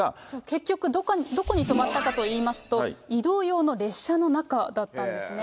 結局、どこに泊まったかといいますと、移動用の列車の中だったんですね。